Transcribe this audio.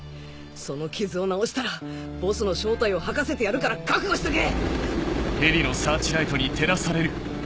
その傷を治したらボスの正体を吐かせてやるから覚悟しとけ！